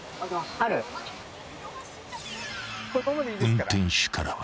［運転手からは］